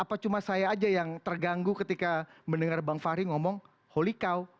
apa cuma saya aja yang terganggu ketika mendengar bang fahri ngomong holi kau